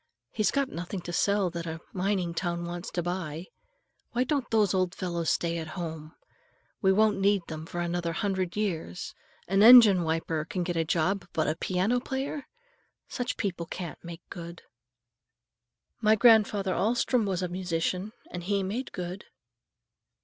He's got nothing to sell that a mining town wants to buy. Why don't those old fellows stay at home? We won't need them for another hundred years. An engine wiper can get a job, but a piano player! Such people can't make good." "My grandfather Alstrom was a musician, and he made good."